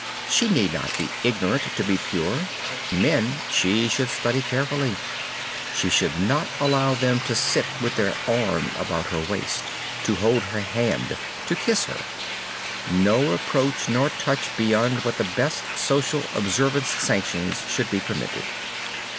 She need not be ignorant to be pure. Men she should study carefully. She should not allow them to sit with their arm about her waist, to hold her hand, to kiss her. No approach nor touch beyond what the best social observance sanctions should be permitted.